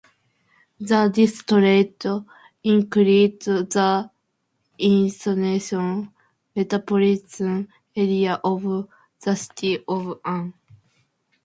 The district includes the eastern metropolitan area of the city of Ulm.